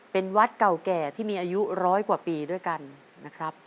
เป็นวัดเก่าแก่ที่มีอายุร้อยกว่าปีด้วยกันนะครับ